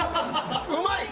うまい！